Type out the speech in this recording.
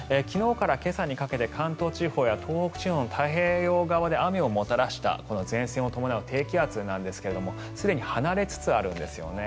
昨日から今朝にかけて関東地方や東北地方の太平洋側で雨をもたらしたこの前線を伴う低気圧なんですがすでに離れつつあるんです。